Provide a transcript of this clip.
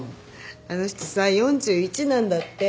あの人さ４１なんだって。